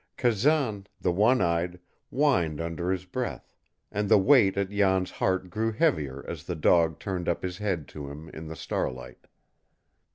Kazan, the one eyed, whined under his breath, and the weight at Jan's heart grew heavier as the dog turned up his head to him in the starlight.